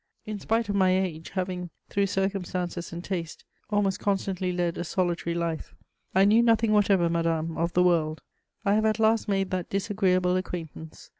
In spite of my age, having, through circumstances and taste, almost constantly led a solitary life, I knew nothing whatever, madame, of the world: I have at last made that disagreeable acquaintance.